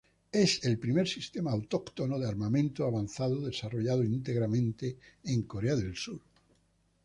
Es el primer sistema autóctono de armamento avanzado desarrollado íntegramente en Corea del Sur.